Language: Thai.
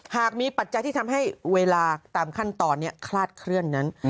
หากมีปัจจัยที่ทำให้เวลาตามขั้นตอนนี้คลาดเคลื่อนนั้น